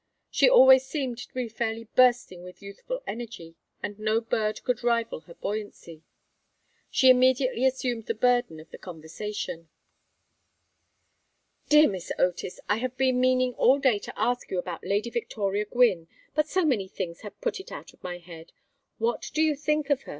She always seemed to be fairly bursting with youthful energy, and no bird could rival her buoyancy. She immediately assumed the burden of the conversation. "Dear Miss Otis! I have been meaning all day to ask you about Lady Victoria Gwynne, but so many things have put it out of my head. What do you think of her?